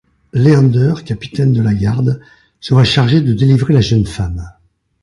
Leander, capitaine de la Garde, se voit chargé de délivrer la jeune femme.